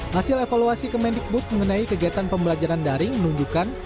hasil evaluasi kemendikbud mengenai kegiatan pembelajaran daring menunjukkan